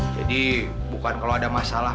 jadi bukan kalo ada masalah